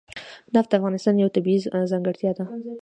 نفت د افغانستان یوه طبیعي ځانګړتیا ده.